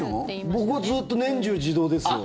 僕はずっと年中、自動ですよ。